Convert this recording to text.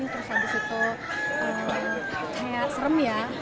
terus habis itu kayak serem ya